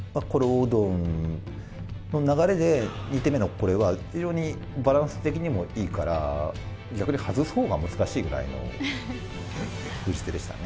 うどんの流れで、２手目のこれは、非常にバランス的にもいいから、逆に外すほうが難しいくらいの封じ手でしたね。